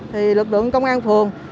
thì lực lượng công an phường